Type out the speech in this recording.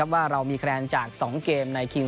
ก็จะเมื่อวันนี้ตอนหลังจดเกม